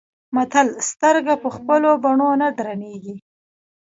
متل : سترګه په خپلو بڼو نه درنيږي.